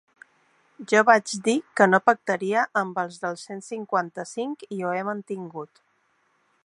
Jo vaig dir que no pactaria amb els del cent cinquanta-cinc i ho he mantingut.